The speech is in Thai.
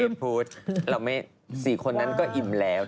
พี่วัดพี่เกดพูดเราไม่สี่คนนั้นก็อิ่มแล้ว